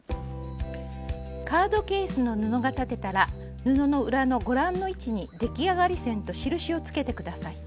カードケースの布が裁てたら布の裏のご覧の位置に出来上がり線と印をつけて下さい。